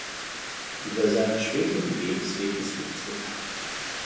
Über seinen späteren Lebensweg ist nichts bekannt.